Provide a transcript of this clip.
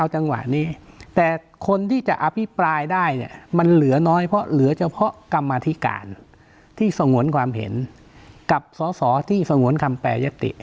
จังหวะนี้แต่คนที่จะอภิปรายได้เนี่ยมันเหลือน้อยเพราะเหลือเฉพาะกรรมธิการที่สงวนความเห็นกับสอสอที่สงวนคำแปรยติ